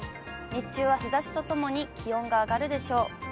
日中は日ざしとともに気温が上がるでしょう。